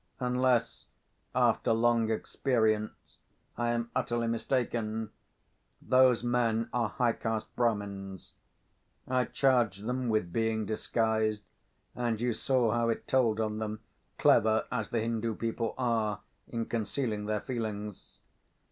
Unless, after long experience, I am utterly mistaken, those men are high caste Brahmins. I charged them with being disguised, and you saw how it told on them, clever as the Hindoo people are in concealing their feelings.